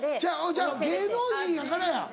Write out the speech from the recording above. ちゃう芸能人やからや。